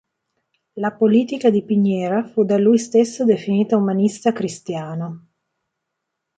La politica di Piñera fu da lui stesso definita umanista cristiana.